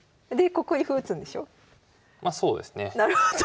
なるほど。